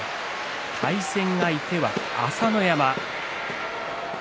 対戦相手は朝乃山。